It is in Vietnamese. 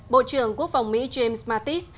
bộ trưởng quốc phòng mỹ james mattis